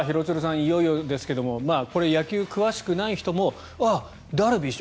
いよいよですけどこれ、野球詳しくない人もおお、ダルビッシュ！